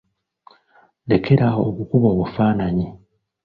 Lekera awo okukuba obufaananyi.